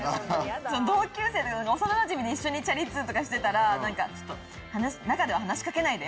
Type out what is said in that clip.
同級生とか幼なじみで一緒にチャリ通とかしてたら「中では話しかけないでよ」みたいな。